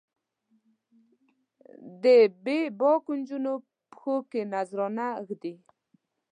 د بې باکو نجونو پښو کې نذرانه ږدي